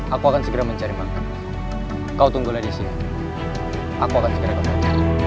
aku akan segera mencari makan kau tunggulah di sini aku akan segera kembali